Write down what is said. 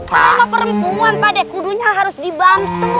sama perempuan pak deh kudunya harus dibantu